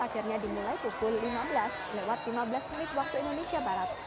akhirnya dimulai pukul lima belas lewat lima belas menit waktu indonesia barat